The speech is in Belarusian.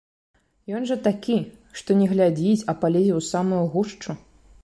Ён жа такі, што не глядзіць, а палезе ў самую гушчу.